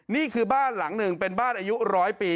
นี่คือบ้านหลังหนึ่งเป็นบ้านอายุร้อยปี